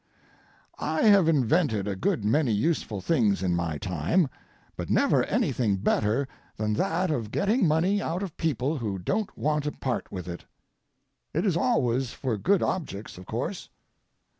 I have invented a good many useful things in my time, but never anything better than that of getting money out of people who don't want to part with it. It is always for good objects, of course.